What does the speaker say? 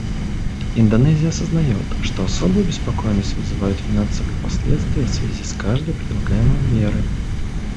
Индонезия осознает, что особую обеспокоенность вызывают финансовые последствия в связи с каждой предлагаемой мерой.